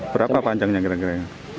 berapa panjangnya kira kira